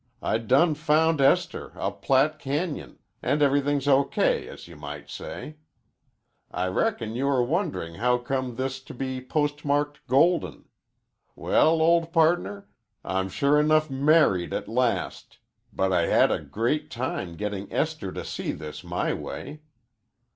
I done found Esther up Platte Cañon and everythings OK as you might say. I reckon you are wondering howcome this to be postmarked Golden. Well, old pardner, Im sure enough married at last but I had a great time getting Esther to see this my way.